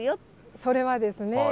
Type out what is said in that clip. それはですね